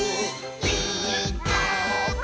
「ピーカーブ！」